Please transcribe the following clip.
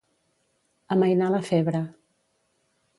Amainar la febre.